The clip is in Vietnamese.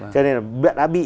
cho nên là đã bị